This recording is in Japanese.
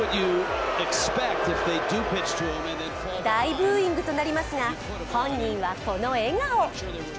大ブーイングとなりますが、本人はこの笑顔。